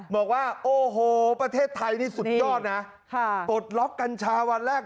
บอกว่าโอ้โหประเทศไทยนี่สุดยอดนะปลดล็อกกัญชาวันแรก